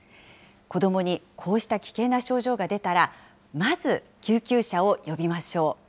子どもにこうした危険な症状が出たら、まず救急車を呼びましょう。